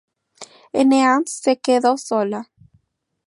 Eneas se queda solo.